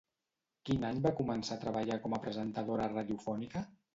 Quin any va començar a treballar com a presentadora radiofònica?